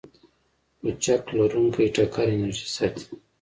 لچک لرونکی ټکر انرژي ساتي.